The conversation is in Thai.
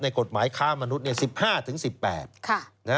ในกฎหมายค้ามนุษย์๑๕๑๘ค่ะ